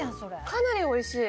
かなり美味しい。